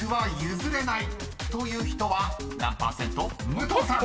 ［武藤さん］